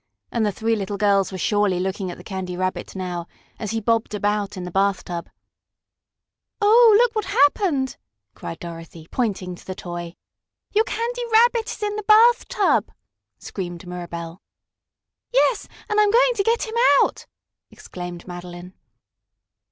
And the three little girls were surely looking at the Candy Rabbit now, as he bobbed about in the bathtub. "Oh, look what happened!" cried Dorothy, pointing to the toy. "Your Candy Rabbit is in the bathtub!" screamed Mirabell. "Yes, and I'm going to get him out!" exclaimed Madeline.